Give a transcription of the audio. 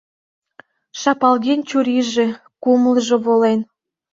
Шапалген чурийже, кумылжо волен.